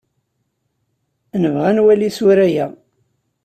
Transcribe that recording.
Nebɣa ad nwali isura-a.